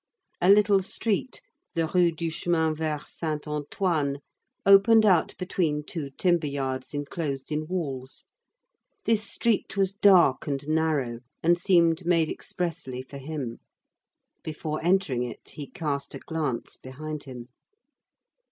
A little street, the Rue du Chemin Vert Saint Antoine, opened out between two timber yards enclosed in walls. This street was dark and narrow and seemed made expressly for him. Before entering it he cast a glance behind him.